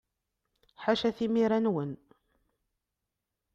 Ḥaca timira-nwen!